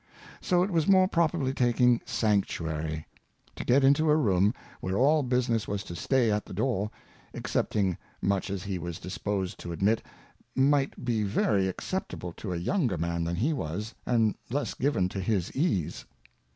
So it was more properly taking Sanctuary. To get into a Room, where all Business was to stay at the Door, excepting such as he was disposed to admit, might be very acceptable to a younger Man than he was, and less given to his Ease.